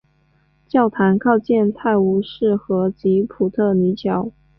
教堂靠近泰晤士河及普特尼桥。